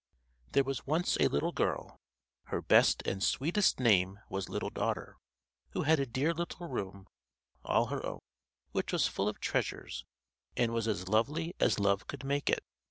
There was once a little girl (her best and sweetest name was Little Daughter), who had a dear little room, all her own, which was full of treasures, and was as lovely as love could make it.